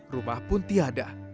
rumah pun tiada